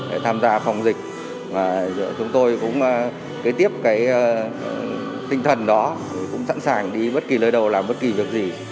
để tham gia phòng dịch chúng tôi cũng kế tiếp tinh thần đó cũng sẵn sàng đi bất kỳ lời đầu làm bất kỳ việc gì